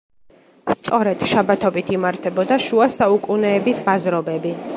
სწორედ შაბათობით იმართებოდა შუა საუკუნეების ბაზრობები.